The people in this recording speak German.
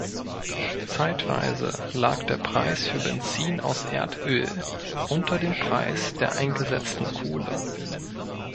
Zeitweise lag der Preis für Benzin aus Erdöl unter dem Preis der eingesetzten Kohle.